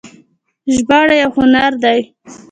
ژباړه یو هنر دی